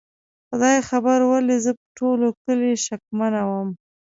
خدای خبر ولې زه په ټول کلي شکمنه ومه؟